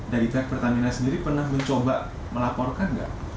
dari pihak pertamina sendiri pernah mencoba melaporkan nggak